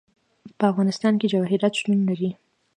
په افغانستان کې جواهرات شتون لري.